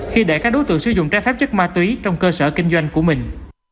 khi để các đối tượng sử dụng trái phép chất ma túy trong cơ sở kinh doanh của mình